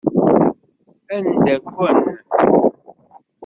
Anda-ken?